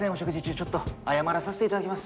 ちょっと謝らさせていただきます。